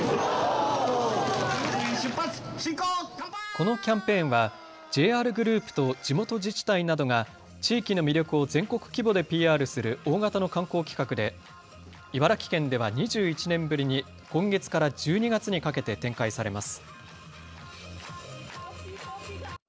このキャンペーンはＪＲグループと地元自治体などが地域の魅力を全国規模でＰＲする大型の観光企画で茨城県では２１年ぶりに今月から１２月にかけて展開されます。